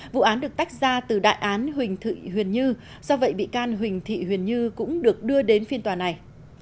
vụ án được tách ra từ đại án huỳnh như do vậy bị can huỳnh thị huyền như cũng được đưa đến phiên tòa này